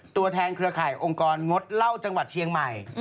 ตัวแทนเครือข่ายองค์กรงดเหล้าจังหวัดเชียงใหม่